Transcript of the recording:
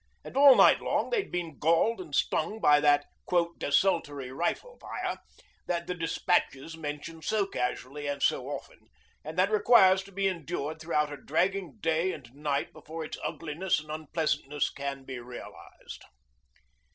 And all night long they had been galled and stung by that 'desultory rifle fire' that the despatches mention so casually and so often, and that requires to be endured throughout a dragging day and night before its ugliness and unpleasantness can be realised.